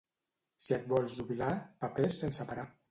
Si et vols jubilar, papers sense parar.